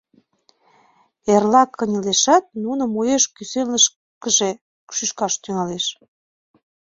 Эрла кынелешат, нуным уэш кӱсенлашкыже шӱшкаш тӱҥалеш.